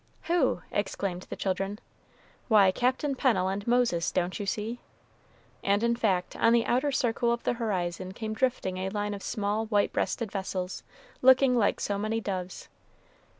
"Who?" exclaimed the children. "Why, Captain Pennel and Moses; don't you see?" And, in fact, on the outer circle of the horizon came drifting a line of small white breasted vessels, looking like so many doves.